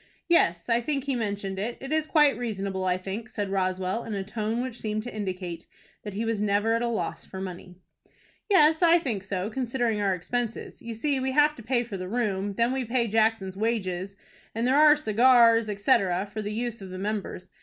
"Yes, I think he mentioned it. It is quite reasonable, I think," said Roswell, in a tone which seemed to indicate that he was never at a loss for money. "Yes, I think so, considering our expenses. You see we have to pay for the room; then we pay Jackson's wages, and there are cigars, etc., for the use of the members.